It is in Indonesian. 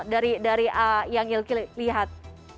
dari yang ilky lihat